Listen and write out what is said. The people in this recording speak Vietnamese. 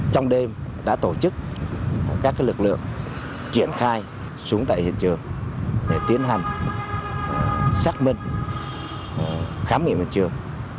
trong đêm đã tổ chức các lực lượng triển khai xuống tại hiện trường để tiến hành xác minh khám nghiệm hiện trường